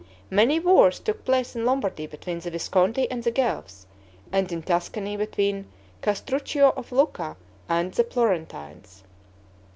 Many wars took place in Lombardy between the Visconti and the Guelphs, and in Tuscany between Castruccio of Lucca and the Florentines.